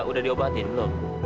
udah diobatin belum